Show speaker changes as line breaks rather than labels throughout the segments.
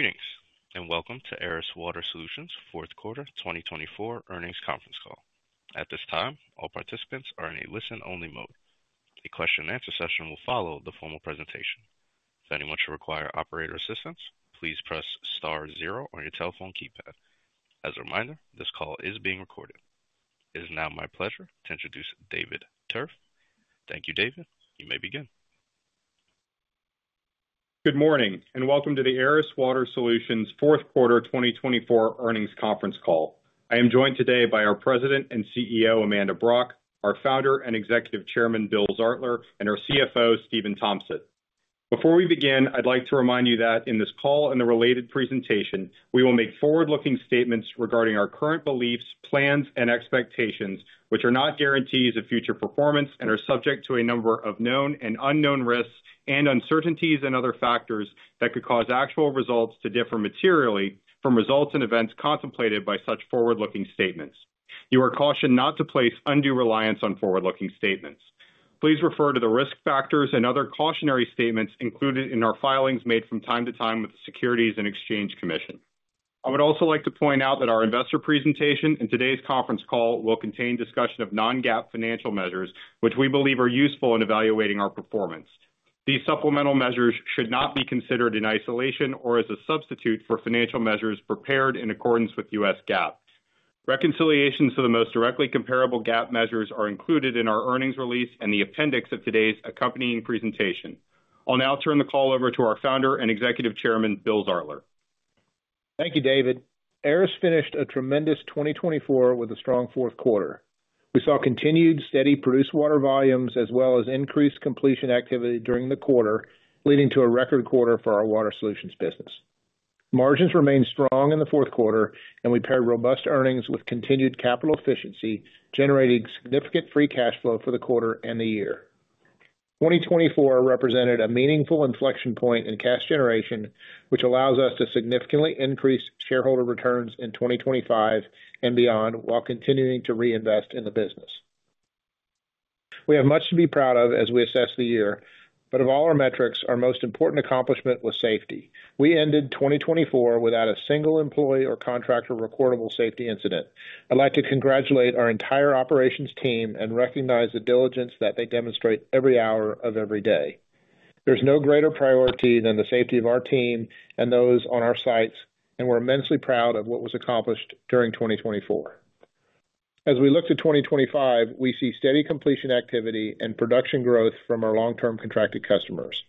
Greetings and welcome to Aris Water Solutions Fourth Quarter 2024 Earnings Conference Call. At this time, all participants are in a listen-only mode. A question and answer session will follow the formal presentation. If anyone should require operator assistance, please press star zero on your telephone keypad. As a reminder, this call is being recorded. It is now my pleasure to introduce David Tuerff. Thank you, David. You may begin.
Good morning and welcome to the Aris Water Solutions Fourth Quarter 2024 earnings conference call. I am joined today by our President and CEO, Amanda Brock, our Founder and Executive Chairman, Bill Zartler, and our CFO, Stephan Tompsett. Before we begin, I'd like to remind you that in this call and the related presentation, we will make forward-looking statements regarding our current beliefs, plans, and expectations, which are not guarantees of future performance and are subject to a number of known and unknown risks and uncertainties and other factors that could cause actual results to differ materially from results and events contemplated by such forward-looking statements. You are cautioned not to place undue reliance on forward-looking statements. Please refer to the risk factors and other cautionary statements included in our filings made from time to time with the Securities and Exchange Commission. I would also like to point out that our investor presentation and today's conference call will contain discussion of non-GAAP financial measures, which we believe are useful in evaluating our performance. These supplemental measures should not be considered in isolation or as a substitute for financial measures prepared in accordance with U.S. GAAP. Reconciliations to the most directly comparable GAAP measures are included in our earnings release and the appendix of today's accompanying presentation. I'll now turn the call over to our Founder and Executive Chairman, Bill Zartler.
Thank you, David. Aris finished a tremendous 2024 with a strong fourth quarter. We saw continued steady produced water volumes as well as increased completion activity during the quarter, leading to a record quarter for our Water Solutions business. Margins remained strong in the fourth quarter, and we paired robust earnings with continued capital efficiency, generating significant free cash flow for the quarter and the year. 2024 represented a meaningful inflection point in cash generation, which allows us to significantly increase shareholder returns in 2025 and beyond while continuing to reinvest in the business. We have much to be proud of as we assess the year, but of all our metrics, our most important accomplishment was safety. We ended 2024 without a single employee or contractor recordable safety incident. I'd like to congratulate our entire operations team and recognize the diligence that they demonstrate every hour of every day. There's no greater priority than the safety of our team and those on our sites, and we're immensely proud of what was accomplished during 2024. As we look to 2025, we see steady completion activity and production growth from our long-term contracted customers.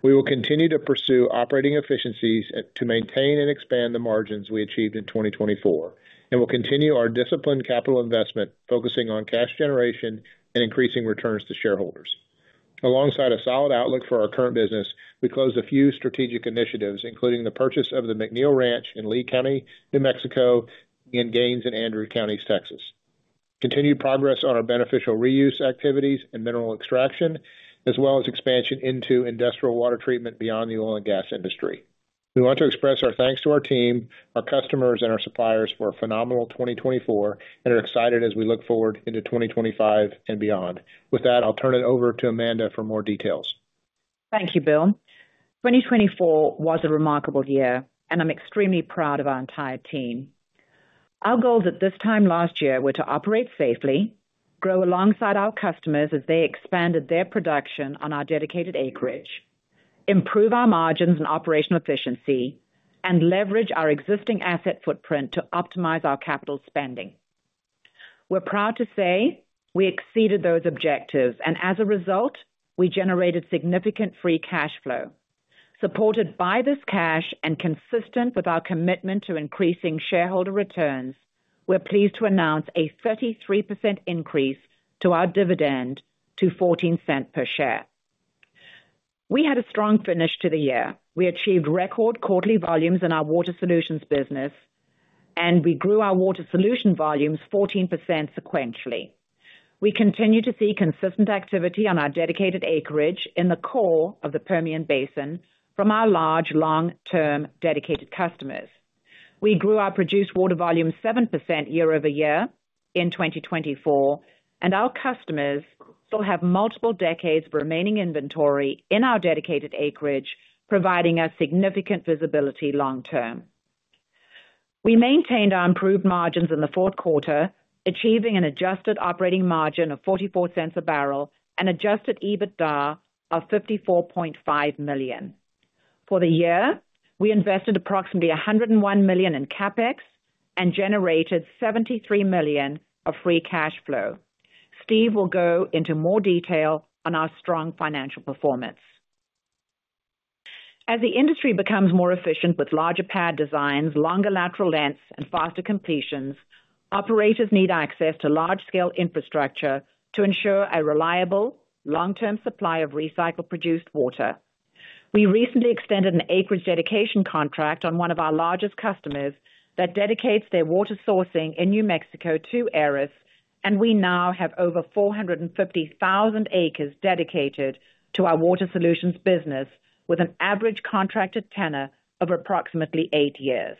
We will continue to pursue operating efficiencies to maintain and expand the margins we achieved in 2024, and we'll continue our disciplined capital investment, focusing on cash generation and increasing returns to shareholders. Alongside a solid outlook for our current business, we closed a few strategic initiatives, including the purchase of the McNeil Ranch in Lea County, New Mexico, and gains in Andrews County, Texas. Continued progress on our beneficial reuse activities and mineral extraction, as well as expansion into industrial water treatment beyond the oil and gas industry. We want to express our thanks to our team, our customers, and our suppliers for a phenomenal 2024, and are excited as we look forward into 2025 and beyond. With that, I'll turn it over to Amanda for more details.
Thank you, Bill. 2024 was a remarkable year, and I'm extremely proud of our entire team. Our goals at this time last year were to operate safely, grow alongside our customers as they expanded their production on our dedicated acreage, improve our margins and operational efficiency, and leverage our existing asset footprint to optimize our capital spending. We're proud to say we exceeded those objectives, and as a result, we generated significant free cash flow. Supported by this cash and consistent with our commitment to increasing shareholder returns, we're pleased to announce a 33% increase to our dividend to $0.14 per share. We had a strong finish to the year. We achieved record quarterly volumes in our Water Solutions business, and we grew our water solution volumes 14% sequentially. We continue to see consistent activity on our dedicated acreage in the core of the Permian Basin from our large, long-term dedicated customers. We grew our produced water volume 7% year over year in 2024, and our customers still have multiple decades remaining inventory in our dedicated acreage, providing us significant visibility long-term. We maintained our improved margins in the fourth quarter, achieving an adjusted operating margin of $0.44 a barrel and adjusted EBITDA of $54.5 million. For the year, we invested approximately $101 million in CapEx and generated $73 million of free cash flow. Stephan will go into more detail on our strong financial performance. As the industry becomes more efficient with larger pad designs, longer lateral lengths, and faster completions, operators need access to large-scale infrastructure to ensure a reliable, long-term supply of recycled produced water. We recently extended an acreage dedication contract on one of our largest customers that dedicates their water sourcing in New Mexico to Aris, and we now have over 450,000 acres dedicated to our water solutions business with an average contracted tenor of approximately eight years.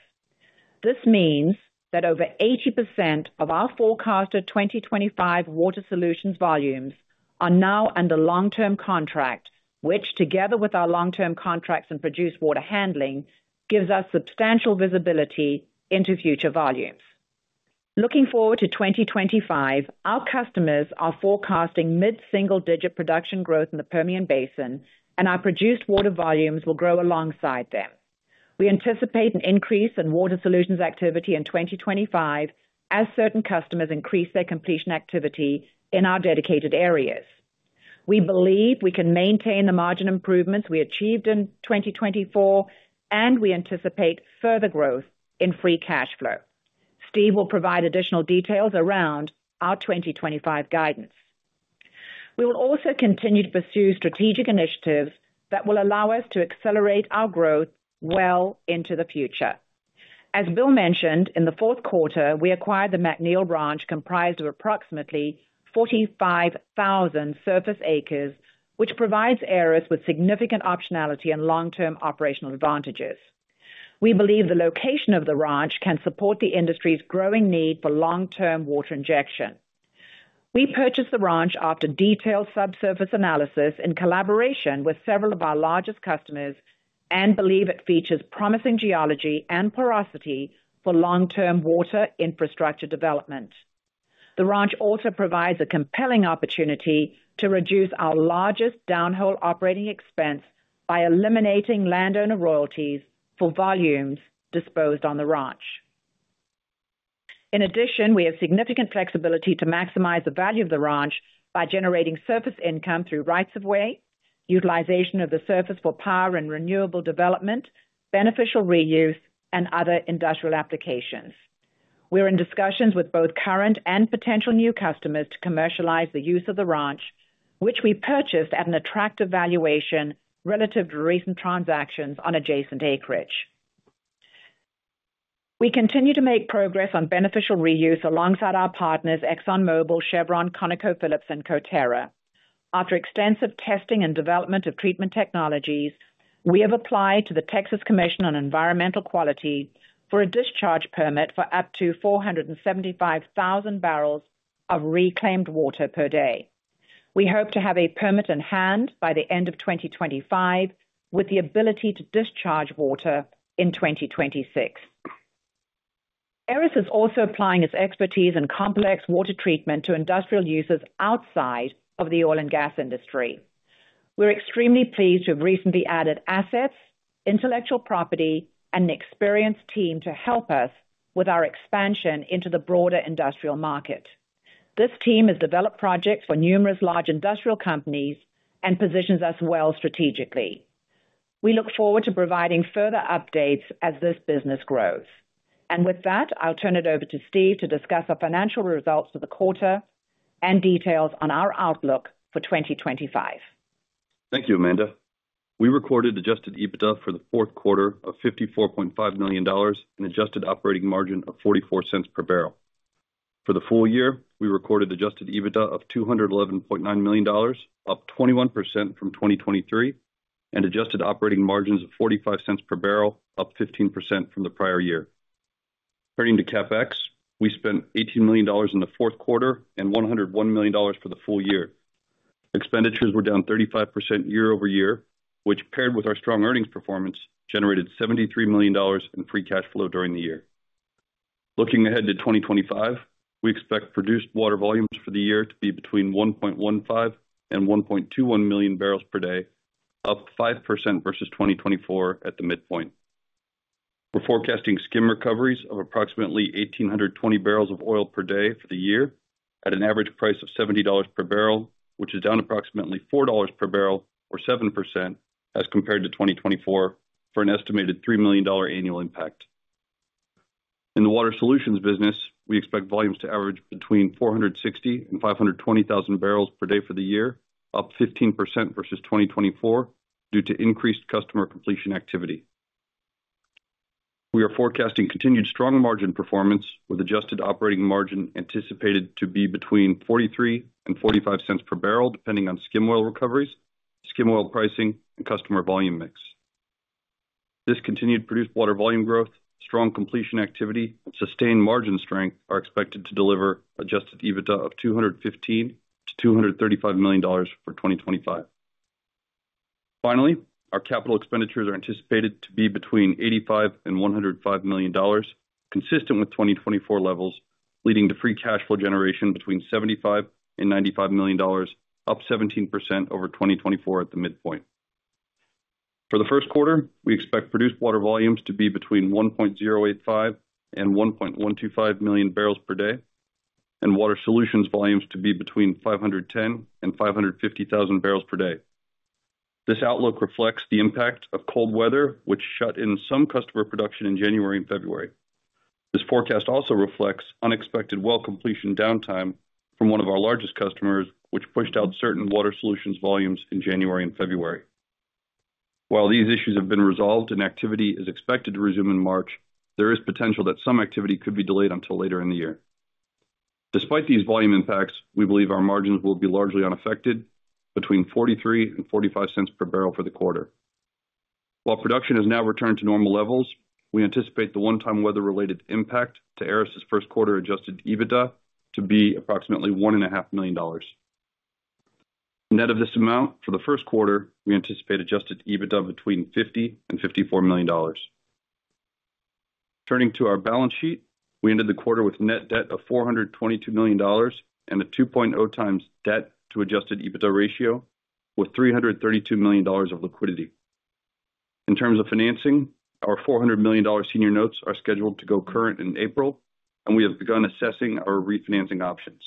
This means that over 80% of our forecasted 2025 Water Solutions volumes are now under long-term contract, which, together with our long-term contracts and produced water handling, gives us substantial visibility into future volumes. Looking forward to 2025, our customers are forecasting mid-single-digit production growth in the Permian Basin, and our produced water volumes will grow alongside them. We anticipate an increase in Water Solutions activity in 2025 as certain customers increase their completion activity in our dedicated areas. We believe we can maintain the margin improvements we achieved in 2024, and we anticipate further growth in free cash flow. Stephan will provide additional details around our 2025 guidance. We will also continue to pursue strategic initiatives that will allow us to accelerate our growth well into the future. As Bill mentioned, in the fourth quarter, we acquired the McNeil Ranch comprised of approximately 45,000 surface acres, which provides Aris with significant optionality and long-term operational advantages. We believe the location of the ranch can support the industry's growing need for long-term water injection. We purchased the ranch after detailed subsurface analysis in collaboration with several of our largest customers and believe it features promising geology and porosity for long-term water infrastructure development. The ranch also provides a compelling opportunity to reduce our largest downhole operating expense by eliminating landowner royalties for volumes disposed on the ranch. In addition, we have significant flexibility to maximize the value of the ranch by generating surface income through rights of way, utilization of the surface for power and renewable development, beneficial reuse, and other industrial applications. We're in discussions with both current and potential new customers to commercialize the use of the ranch, which we purchased at an attractive valuation relative to recent transactions on adjacent acreage. We continue to make progress on beneficial reuse alongside our partners ExxonMobil, Chevron, ConocoPhillips, and Coterra. After extensive testing and development of treatment technologies, we have applied to the Texas Commission on Environmental Quality for a discharge permit for up to 475,000 barrels of reclaimed water per day. We hope to have a permit in hand by the end of 2025, with the ability to discharge water in 2026. Aris is also applying its expertise in complex water treatment to industrial uses outside of the oil and gas industry. We're extremely pleased to have recently added assets, intellectual property, and an experienced team to help us with our expansion into the broader industrial market. This team has developed projects for numerous large industrial companies and positions us well strategically. We look forward to providing further updates as this business grows, and with that, I'll turn it over to Stephan to discuss our financial results for the quarter and details on our outlook for 2025.
Thank you, Amanda. We recorded adjusted EBITDA for the fourth quarter of $54.5 million and adjusted operating margin of $0.44 per barrel. For the full year, we recorded adjusted EBITDA of $211.9 million, up 21% from 2023, and adjusted operating margins of $0.45 per barrel, up 15% from the prior year. Pertaining to CapEx, we spent $18 million in the fourth quarter and $101 million for the full year. Expenditures were down 35% year over year, which, paired with our strong earnings performance, generated $73 million in free cash flow during the year. Looking ahead to 2025, we expect produced water volumes for the year to be between 1.15 and 1.21 million barrels per day, up 5% versus 2024 at the midpoint. We're forecasting skim recoveries of approximately 1,820 barrels of oil per day for the year at an average price of $70 per barrel, which is down approximately $4 per barrel or 7% as compared to 2024 for an estimated $3 million annual impact. In the Water Solutions business, we expect volumes to average between 460,000 and 520,000 barrels per day for the year, up 15% versus 2024 due to increased customer completion activity. We are forecasting continued strong margin performance with adjusted operating margin anticipated to be between $0.43-$0.45 per barrel, depending on skim oil recoveries, skim oil pricing, and customer volume mix. This continued produced water volume growth, strong completion activity, and sustained margin strength are expected to deliver adjusted EBITDA of $215-$235 million for 2025. Finally, our capital expenditures are anticipated to be between $85-$105 million, consistent with 2024 levels, leading to free cash flow generation between $75-$95 million, up 17% over 2024 at the midpoint. For the first quarter, we expect produced water volumes to be between 1.085-1.125 million barrels per day, and Water Solutions volumes to be between 510,000-550,000 barrels per day. This outlook reflects the impact of cold weather, which shut in some customer production in January and February. This forecast also reflects unexpected well completion downtime from one of our largest customers, which pushed out certain Water Solutions volumes in January and February. While these issues have been resolved and activity is expected to resume in March, there is potential that some activity could be delayed until later in the year. Despite these volume impacts, we believe our margins will be largely unaffected, between $0.43 and $0.45 per barrel for the quarter. While production has now returned to normal levels, we anticipate the one-time weather-related impact to Aris's first quarter Adjusted EBITDA to be approximately $1.5 million. Net of this amount for the first quarter, we anticipate Adjusted EBITDA between $50 and $54 million. Turning to our balance sheet, we ended the quarter with net debt of $422 million and a 2.0 times debt to Adjusted EBITDA ratio with $332 million of liquidity. In terms of financing, our $400 million senior notes are scheduled to go current in April, and we have begun assessing our refinancing options.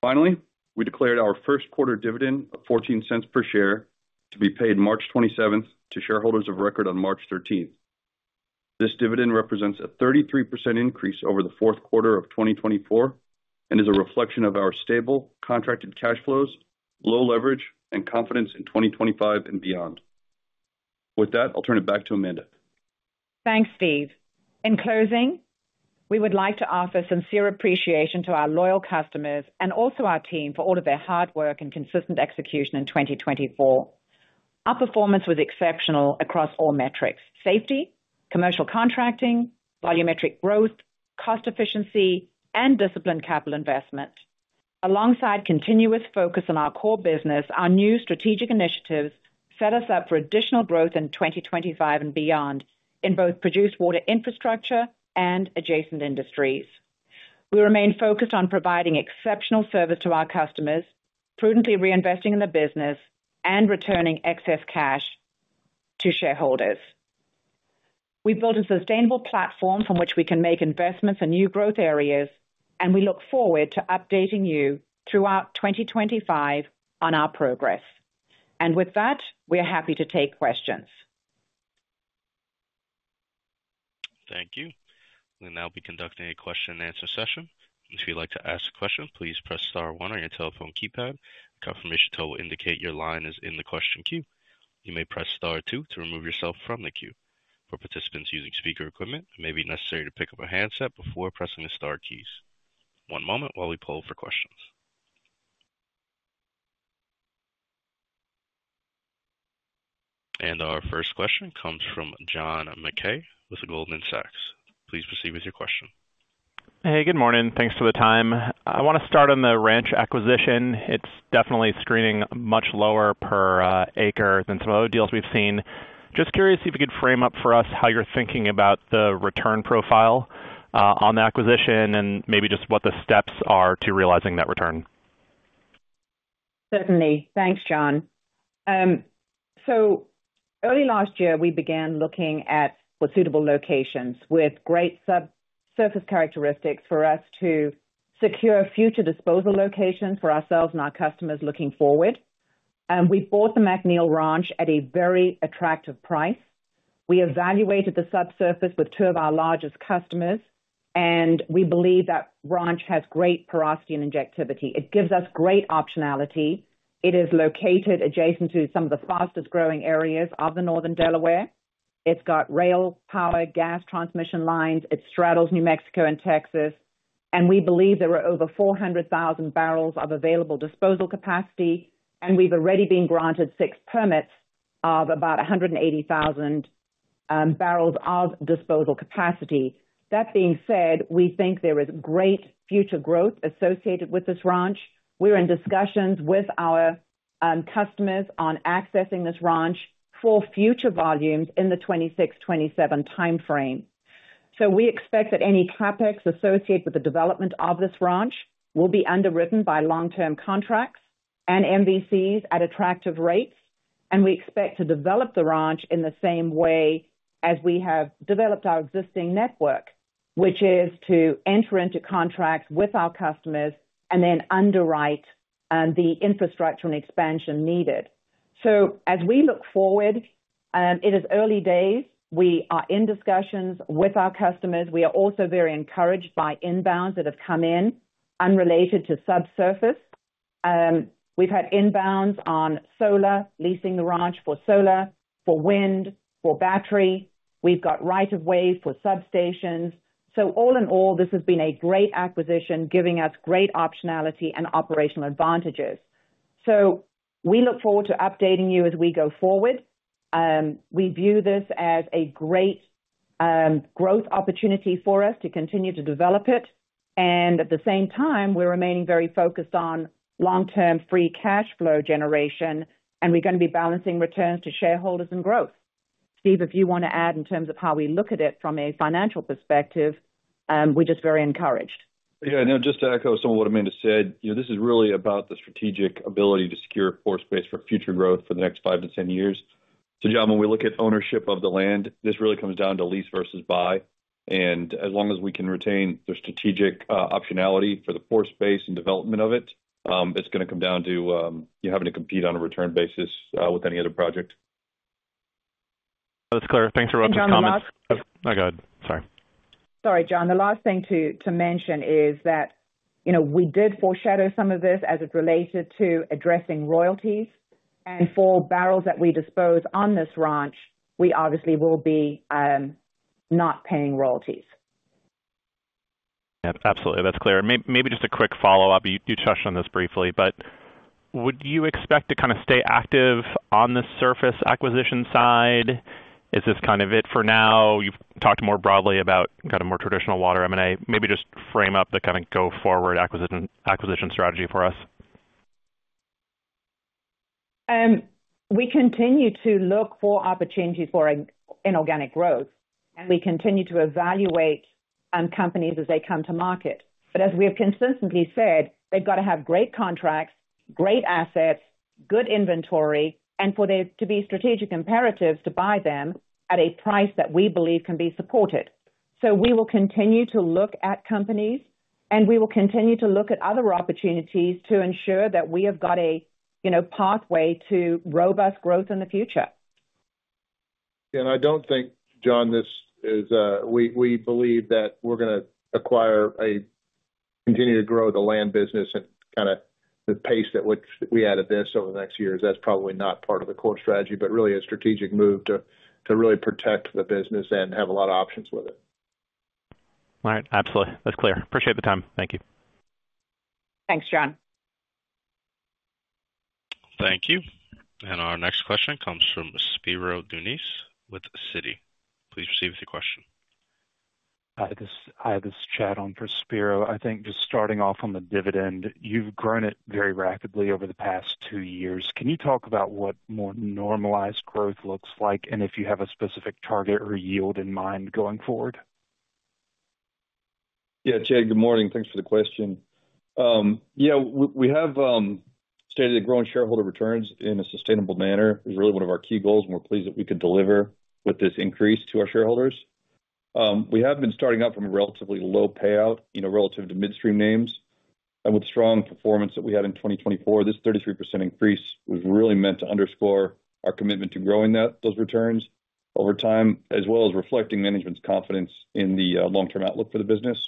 Finally, we declared our first quarter dividend of $0.14 per share to be paid March 27 to shareholders of record on March 13. This dividend represents a 33% increase over the fourth quarter of 2024 and is a reflection of our stable contracted cash flows, low leverage, and confidence in 2025 and beyond. With that, I'll turn it back to Amanda.
Thanks, Stephan. In closing, we would like to offer sincere appreciation to our loyal customers and also our team for all of their hard work and consistent execution in 2024. Our performance was exceptional across all metrics: safety, commercial contracting, volumetric growth, cost efficiency, and disciplined capital investment. Alongside continuous focus on our core business, our new strategic initiatives set us up for additional growth in 2025 and beyond in both produced water infrastructure and adjacent industries. We remain focused on providing exceptional service to our customers, prudently reinvesting in the business, and returning excess cash to shareholders. We've built a sustainable platform from which we can make investments in new growth areas, and we look forward to updating you throughout 2025 on our progress. And with that, we are happy to take questions.
Thank you. We'll now be conducting a question and answer session. If you'd like to ask a question, please press Star one on your telephone keypad. Confirmation to indicate your line is in the question queue. You may press Star two to remove yourself from the queue. For participants using speaker equipment, it may be necessary to pick up a handset before pressing the Star keys. One moment while we pull for questions. And our first question comes from John Mackay with Goldman Sachs. Please proceed with your question.
Hey, good morning. Thanks for the time. I want to start on the ranch acquisition. It's definitely screening much lower per acre than some other deals we've seen. Just curious if you could frame up for us how you're thinking about the return profile on the acquisition and maybe just what the steps are to realizing that return?
Certainly. Thanks, John, so early last year, we began looking at suitable locations with great surface characteristics for us to secure future disposal locations for ourselves and our customers looking forward. We bought the McNeil Ranch at a very attractive price. We evaluated the subsurface with two of our largest customers, and we believe that ranch has great porosity and injectivity. It gives us great optionality. It is located adjacent to some of the fastest growing areas of northern Delaware. It's got rail, power, gas transmission lines. It straddles New Mexico and Texas, and we believe there are over 400,000 barrels of available disposal capacity, and we've already been granted six permits of about 180,000 barrels of disposal capacity. That being said, we think there is great future growth associated with this ranch. We're in discussions with our customers on accessing this ranch for future volumes in the 2026-2027 timeframe. So we expect that any CapEx associated with the development of this ranch will be underwritten by long-term contracts and MVCs at attractive rates. And we expect to develop the ranch in the same way as we have developed our existing network, which is to enter into contracts with our customers and then underwrite the infrastructure and expansion needed. So as we look forward, it is early days. We are in discussions with our customers. We are also very encouraged by inbounds that have come in unrelated to subsurface. We've had inbounds on solar, leasing the ranch for solar, for wind, for battery. We've got right-of-way for substations. So all in all, this has been a great acquisition, giving us great optionality and operational advantages. So we look forward to updating you as we go forward. We view this as a great growth opportunity for us to continue to develop it. And at the same time, we're remaining very focused on long-term free cash flow generation, and we're going to be balancing returns to shareholders and growth. Stephan, if you want to add in terms of how we look at it from a financial perspective, we're just very encouraged.
Yeah. Just to echo some of what Amanda said, this is really about the strategic ability to secure footprint for future growth for the next five to ten years. So John, when we look at ownership of the land, this really comes down to lease versus buy. And as long as we can retain the strategic optionality for the footprint and development of it, it's going to come down to having to compete on a return basis with any other project.
That's clear. Thanks for the comments. Oh, go ahead. Sorry.
Sorry, John. The last thing to mention is that we did foreshadow some of this as it related to addressing royalties. And for barrels that we dispose on this ranch, we obviously will be not paying royalties.
Absolutely. That's clear. Maybe just a quick follow-up. You touched on this briefly, but would you expect to kind of stay active on the surface acquisition side? Is this kind of it for now? You've talked more broadly about kind of more traditional water. I mean, maybe just frame up the kind of go forward acquisition strategy for us.
We continue to look for opportunities for inorganic growth, and we continue to evaluate companies as they come to market. But as we have consistently said, they've got to have great contracts, great assets, good inventory, and for there to be strategic imperatives to buy them at a price that we believe can be supported. So we will continue to look at companies, and we will continue to look at other opportunities to ensure that we have got a pathway to robust growth in the future.
I don't think, John, that we're going to acquire and continue to grow the land business at kind of the pace at which we added this over the next years. That's probably not part of the core strategy, but really a strategic move to really protect the business and have a lot of options with it.
All right. Absolutely. That's clear. Appreciate the time. Thank you.
Thanks, John.
Thank you. And our next question comes from Spiro Dounis with Citi. Please proceed with your question. Hi. This is Chad on for Spiro. I think just starting off on the dividend, you've grown it very rapidly over the past two years. Can you talk about what more normalized growth looks like and if you have a specific target or yield in mind going forward?
Yeah. Chad, good morning. Thanks for the question. Yeah. We have stated that growing shareholder returns in a sustainable manner is really one of our key goals, and we're pleased that we could deliver with this increase to our shareholders. We have been starting up from a relatively low payout relative to midstream names, and with strong performance that we had in 2024, this 33% increase was really meant to underscore our commitment to growing those returns over time, as well as reflecting management's confidence in the long-term outlook for the business,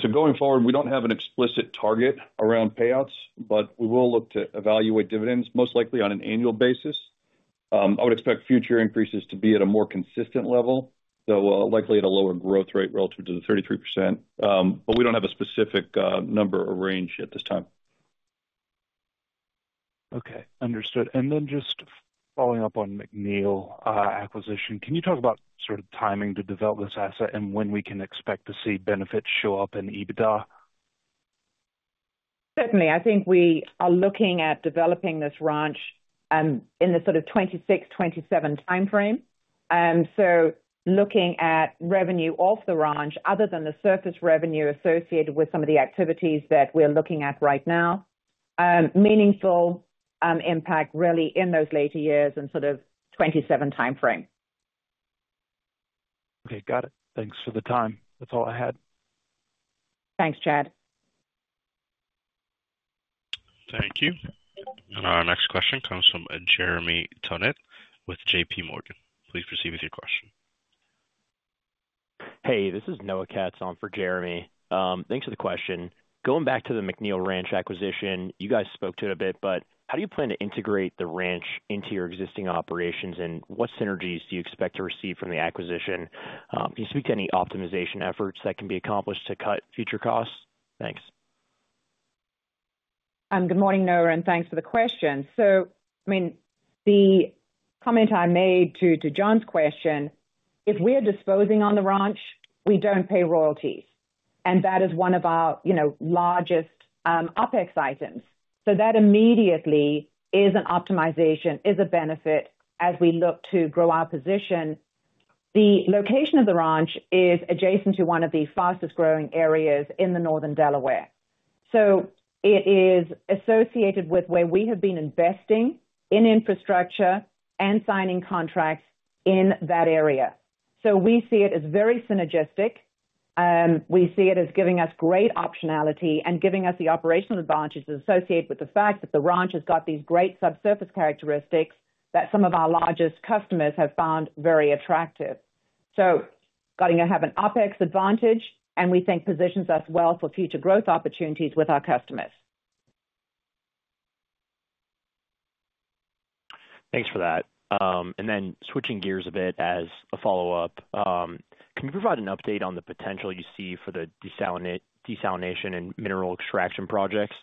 so going forward, we don't have an explicit target around payouts, but we will look to evaluate dividends, most likely on an annual basis. I would expect future increases to be at a more consistent level, though likely at a lower growth rate relative to the 33%. But we don't have a specific number or range at this time. Okay. Understood. And then just following up on McNeil acquisition, can you talk about sort of timing to develop this asset and when we can expect to see benefits show up in EBITDA?
Certainly. I think we are looking at developing this ranch in the sort of 2026-2027 timeframe. So looking at revenue off the ranch other than the surface revenue associated with some of the activities that we're looking at right now, meaningful impact really in those later years and sort of 2027 timeframe. Okay. Got it. Thanks for the time. That's all I had. Thanks, Chad.
Thank you. And our next question comes from Jeremy Tonet with JPMorgan. Please proceed with your question.
Hey, this is Noah Katz on for Jeremy. Thanks for the question. Going back to the McNeil Ranch acquisition, you guys spoke to it a bit, but how do you plan to integrate the ranch into your existing operations, and what synergies do you expect to receive from the acquisition? Can you speak to any optimization efforts that can be accomplished to cut future costs? Thanks.
Good morning, Noah, and thanks for the question. So I mean, the comment I made to John's question, if we are disposing on the ranch, we don't pay royalties. And that is one of our largest OpEx items. So that immediately is an optimization, is a benefit as we look to grow our position. The location of the ranch is adjacent to one of the fastest growing areas in northern Delaware. So it is associated with where we have been investing in infrastructure and signing contracts in that area. So we see it as very synergistic. We see it as giving us great optionality and giving us the operational advantages associated with the fact that the ranch has got these great subsurface characteristics that some of our largest customers have found very attractive. Going to have an OpEx advantage, and we think positions us well for future growth opportunities with our customers.
Thanks for that. And then switching gears a bit as a follow-up, can you provide an update on the potential you see for the desalination and mineral extraction projects?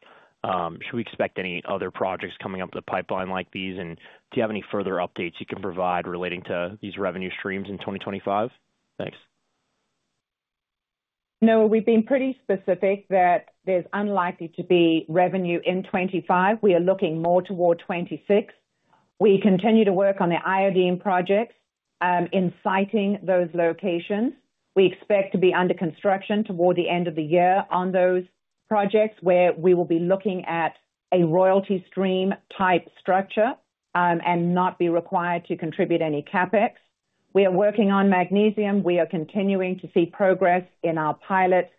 Should we expect any other projects coming up the pipeline like these? And do you have any further updates you can provide relating to these revenue streams in 2025? Thanks.
No, we've been pretty specific that there's unlikely to be revenue in 2025. We are looking more toward 2026. We continue to work on the iodine projects in siting those locations. We expect to be under construction toward the end of the year on those projects where we will be looking at a royalty stream type structure and not be required to contribute any CapEx. We are working on magnesium. We are continuing to see progress in our pilot,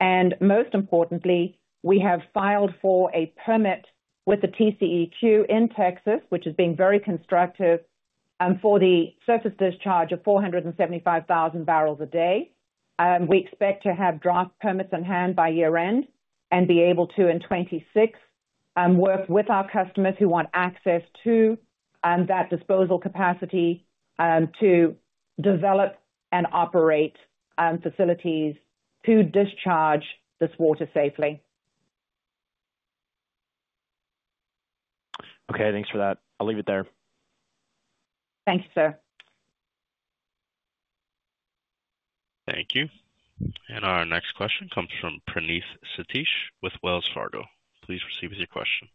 and most importantly, we have filed for a permit with the TCEQ in Texas, which has been very constructive for the surface discharge of 475,000 barrels a day. We expect to have draft permits in hand by year-end and be able to, in 2026, work with our customers who want access to that disposal capacity to develop and operate facilities to discharge this water safely.
Okay. Thanks for that. I'll leave it there.
Thank you, sir.
Thank you. And our next question comes from Praneeth Satish with Wells Fargo. Please proceed with your question.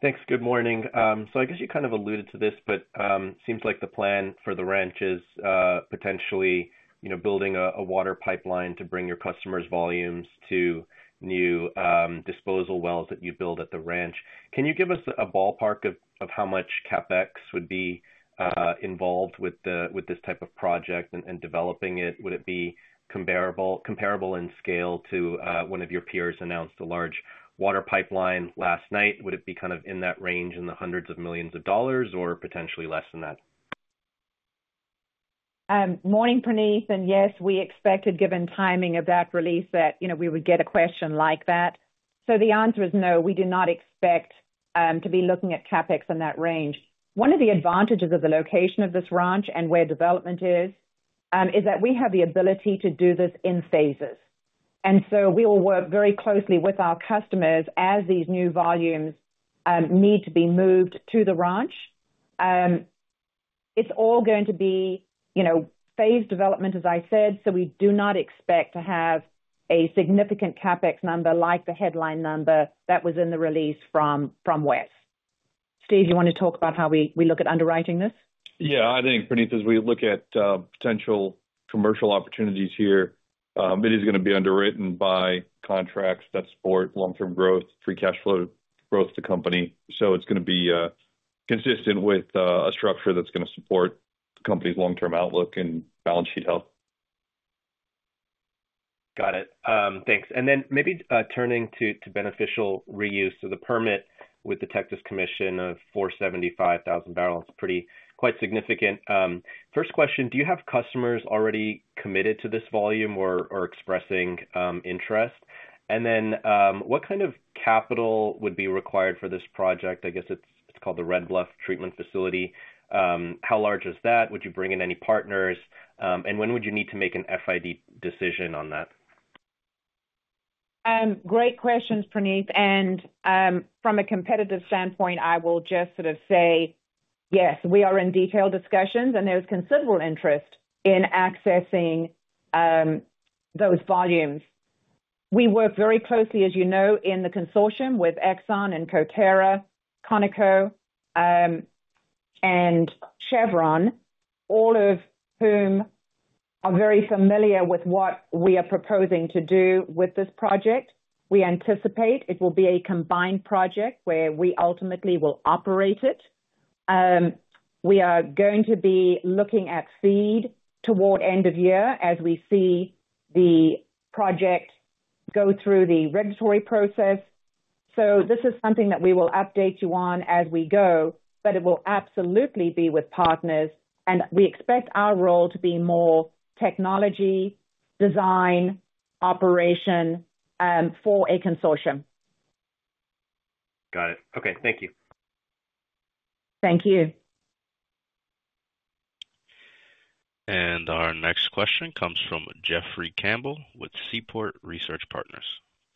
Thanks. Good morning. So I guess you kind of alluded to this, but it seems like the plan for the ranch is potentially building a water pipeline to bring your customers' volumes to new disposal wells that you build at the ranch. Can you give us a ballpark of how much CapEx would be involved with this type of project and developing it? Would it be comparable in scale to one of your peers announced a large water pipeline last night? Would it be kind of in that range in the hundreds of millions of dollars or potentially less than that?
Morning, Praneeth. And yes, we expected, given timing of that release, that we would get a question like that. So the answer is no. We do not expect to be looking at CapEx in that range. One of the advantages of the location of this ranch and where development is is that we have the ability to do this in phases. And so we will work very closely with our customers as these new volumes need to be moved to the ranch. It's all going to be phased development, as I said. So we do not expect to have a significant CapEx number like the headline number that was in the release from WES. Stephan, you want to talk about how we look at underwriting this?
Yeah. I think, Praneeth, as we look at potential commercial opportunities here, it is going to be underwritten by contracts that support long-term growth, free cash flow growth to company. So it's going to be consistent with a structure that's going to support the company's long-term outlook and balance sheet health.
Got it. Thanks. And then maybe turning to beneficial reuse. So the permit with the Texas Commission on Environmental Quality for 475,000 barrels is quite significant. First question, do you have customers already committed to this volume or expressing interest? And then what kind of capital would be required for this project? I guess it's called the Red Bluff Treatment Facility. How large is that? Would you bring in any partners? And when would you need to make an FID decision on that?
Great questions, Praneeth. And from a competitive standpoint, I will just sort of say, yes, we are in detailed discussions, and there's considerable interest in accessing those volumes. We work very closely, as you know, in the consortium with Exxon and Coterra, Conoco, and Chevron, all of whom are very familiar with what we are proposing to do with this project. We anticipate it will be a combined project where we ultimately will operate it. We are going to be looking at FID toward end of year as we see the project go through the regulatory process. So this is something that we will update you on as we go, but it will absolutely be with partners. And we expect our role to be more technology design operation for a consortium.
Got it. Okay. Thank you.
Thank you.
Our next question comes from Jeffrey Campbell with Seaport Research Partners.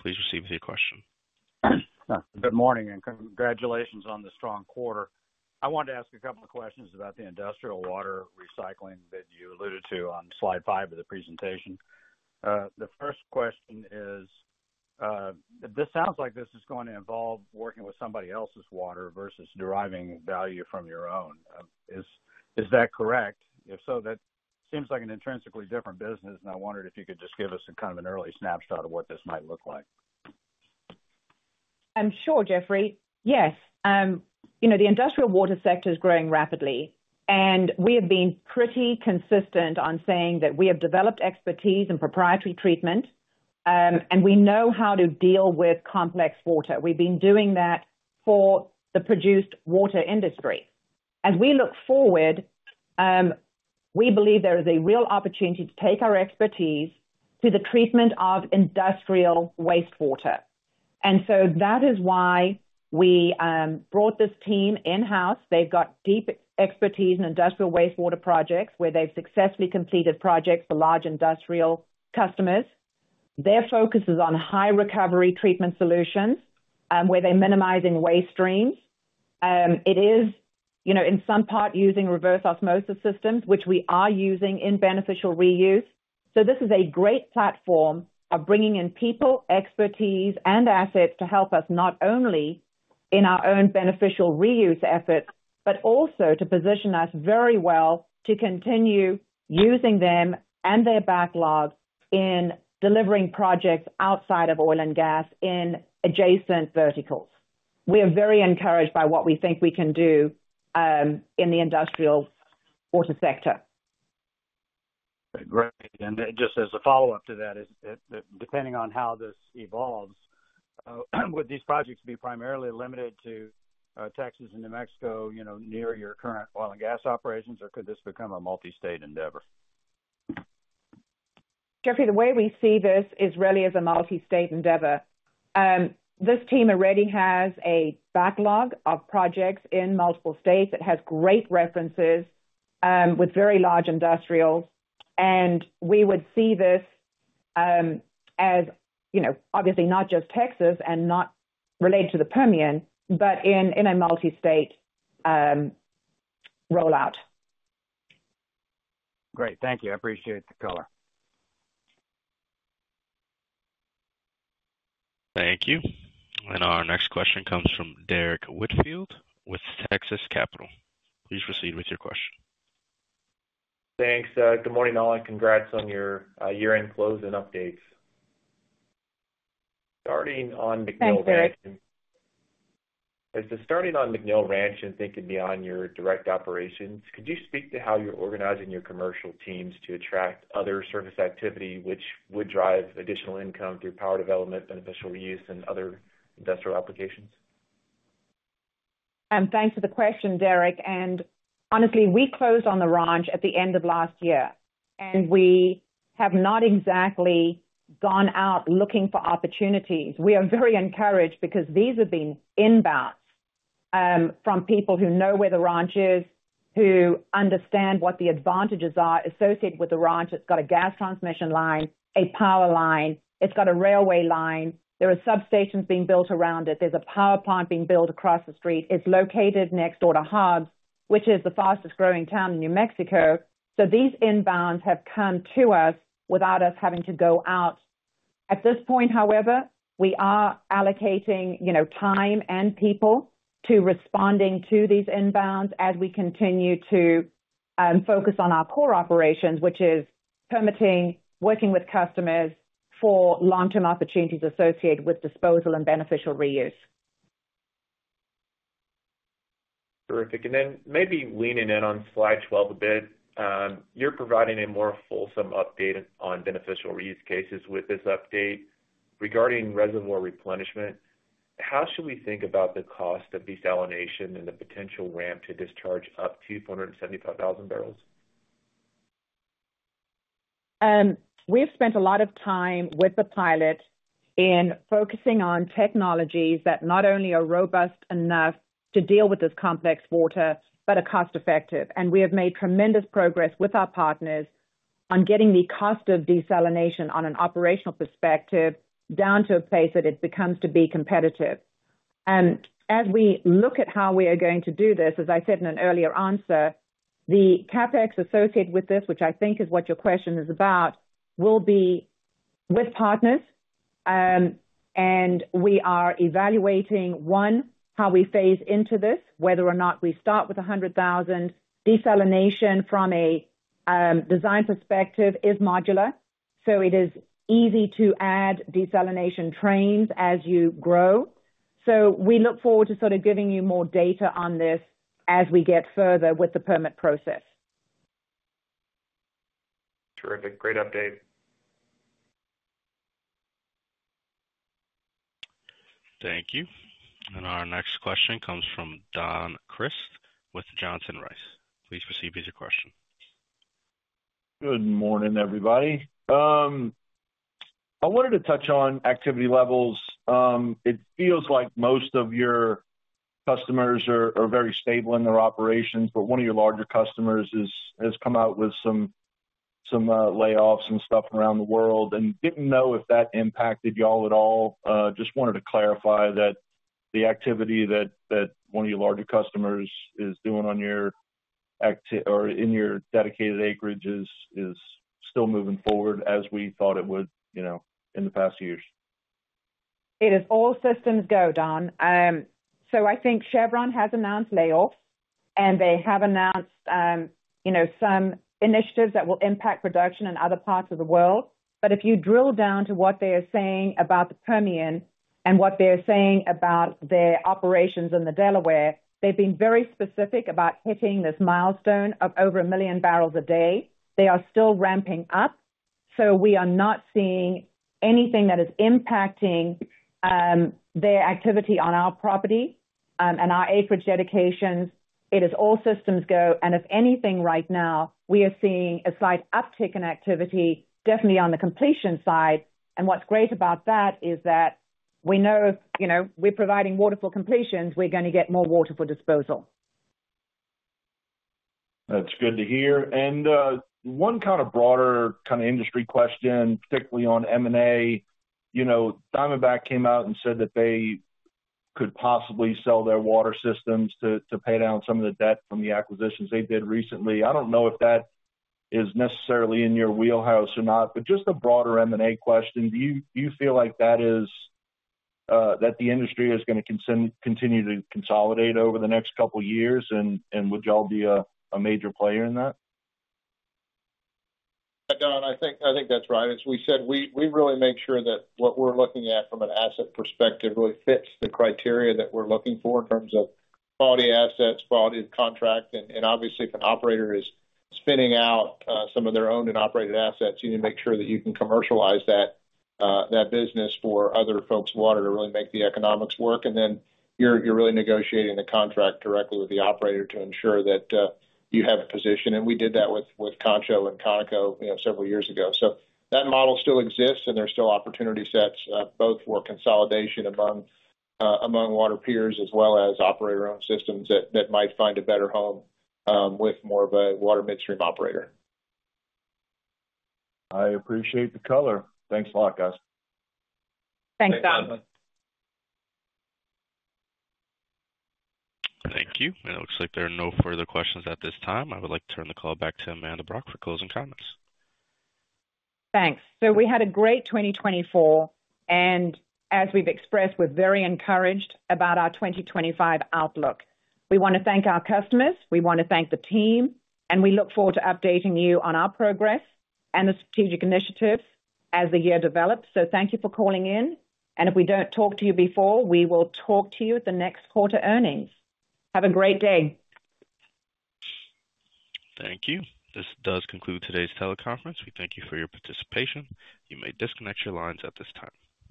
Please proceed with your question.
Good morning and congratulations on the strong quarter. I wanted to ask a couple of questions about the industrial water recycling that you alluded to on slide five of the presentation. The first question is, this sounds like this is going to involve working with somebody else's water versus deriving value from your own. Is that correct? If so, that seems like an intrinsically different business, and I wondered if you could just give us kind of an early snapshot of what this might look like.
Sure, Jeffrey. Yes. The industrial water sector is growing rapidly, and we have been pretty consistent on saying that we have developed expertise in proprietary treatment, and we know how to deal with complex water. We've been doing that for the produced water industry. As we look forward, we believe there is a real opportunity to take our expertise to the treatment of industrial wastewater. And so that is why we brought this team in-house. They've got deep expertise in industrial wastewater projects where they've successfully completed projects for large industrial customers. Their focus is on high recovery treatment solutions where they're minimizing waste streams. It is, in some part, using reverse osmosis systems, which we are using in beneficial reuse. So this is a great platform of bringing in people, expertise, and assets to help us not only in our own beneficial reuse efforts, but also to position us very well to continue using them and their backlog in delivering projects outside of oil and gas in adjacent verticals. We are very encouraged by what we think we can do in the industrial water sector.
Great. And just as a follow-up to that, depending on how this evolves, would these projects be primarily limited to Texas and New Mexico near your current oil and gas operations, or could this become a multi-state endeavor?
Jeffrey, the way we see this is really as a multi-state endeavor. This team already has a backlog of projects in multiple states that has great references with very large industrials, and we would see this as, obviously, not just Texas and not related to the Permian, but in a multi-state rollout.
Great. Thank you. I appreciate the color.
Thank you. And our next question comes from Derrick Whitfield with Texas Capital. Please proceed with your question.
Thanks. Good morning, Amanda. Congrats on your year-end close and updates. Starting on McNeil Ranch and.
Thanks, Derrick.
As to starting on McNeil Ranch and thinking beyond your direct operations, could you speak to how you're organizing your commercial teams to attract other service activity, which would drive additional income through power development, beneficial reuse, and other industrial applications?
Thanks for the question, Derek. Honestly, we closed on the ranch at the end of last year, and we have not exactly gone out looking for opportunities. We are very encouraged because these have been inbounds from people who know where the ranch is, who understand what the advantages are associated with the ranch. It's got a gas transmission line, a power line. It's got a railway line. There are substations being built around it. There's a power plant being built across the street. It's located next door to Hobbs, which is the fastest growing town in New Mexico. These inbounds have come to us without us having to go out. At this point, however, we are allocating time and people to responding to these inbounds as we continue to focus on our core operations, which is permitting working with customers for long-term opportunities associated with disposal and beneficial reuse.
Terrific. And then maybe leaning in on slide 12 a bit, you're providing a more fulsome update on beneficial reuse cases with this update regarding reservoir replenishment. How should we think about the cost of desalination and the potential ramp to discharge up to 475,000 barrels?
We've spent a lot of time with the pilot in focusing on technologies that not only are robust enough to deal with this complex water, but are cost-effective, and we have made tremendous progress with our partners on getting the cost of desalination on an operational perspective down to a place that it becomes to be competitive, and as we look at how we are going to do this, as I said in an earlier answer, the CapEx associated with this, which I think is what your question is about, will be with partners, and we are evaluating, one, how we phase into this, whether or not we start with 100,000. Desalination, from a design perspective, is modular, so it is easy to add desalination trains as you grow, so we look forward to sort of giving you more data on this as we get further with the permit process.
Terrific. Great update.
Thank you. And our next question comes from Don Crist with Johnson Rice. Please proceed with your question.
Good morning, everybody. I wanted to touch on activity levels. It feels like most of your customers are very stable in their operations, but one of your larger customers has come out with some layoffs and stuff around the world and didn't know if that impacted y'all at all. Just wanted to clarify that the activity that one of your larger customers is doing in your dedicated acreage is still moving forward as we thought it would in the past years.
It is all systems go, Don. So I think Chevron has announced layoffs, and they have announced some initiatives that will impact production in other parts of the world. But if you drill down to what they are saying about the Permian and what they are saying about their operations in the Delaware, they've been very specific about hitting this milestone of over a million barrels a day. They are still ramping up. So we are not seeing anything that is impacting their activity on our property and our acreage dedications. It is all systems go. And if anything, right now, we are seeing a slight uptick in activity, definitely on the completion side. And what's great about that is that we know if we're providing water for completions, we're going to get more water for disposal.
That's good to hear, and one kind of broader kind of industry question, particularly on M&A. Diamondback came out and said that they could possibly sell their water systems to pay down some of the debt from the acquisitions they did recently. I don't know if that is necessarily in your wheelhouse or not, but just a broader M&A question. Do you feel like that the industry is going to continue to consolidate over the next couple of years, and would y'all be a major player in that?
Yeah, Don, I think that's right. As we said, we really make sure that what we're looking at from an asset perspective really fits the criteria that we're looking for in terms of quality assets, quality of contract, and obviously, if an operator is spinning out some of their owned and operated assets, you need to make sure that you can commercialize that business for other folks' water to really make the economics work, and then you're really negotiating the contract directly with the operator to ensure that you have a position, and we did that with Concho and ConocoPhillips several years ago, so that model still exists, and there's still opportunity sets both for consolidation among water peers as well as operator-owned systems that might find a better home with more of a water midstream operator.
I appreciate the color. Thanks a lot, guys.
Thanks, Don.
Thank you. And it looks like there are no further questions at this time. I would like to turn the call back to Amanda Brock for closing comments.
Thanks. So we had a great 2024. And as we've expressed, we're very encouraged about our 2025 outlook. We want to thank our customers. We want to thank the team. And we look forward to updating you on our progress and the strategic initiatives as the year develops. So thank you for calling in. And if we don't talk to you before, we will talk to you at the next quarter earnings. Have a great day.
Thank you. This does conclude today's teleconference. We thank you for your participation. You may disconnect your lines at this time.